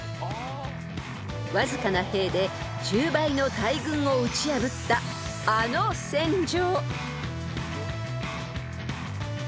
［わずかな兵で１０倍の大軍を打ち破ったあの戦場］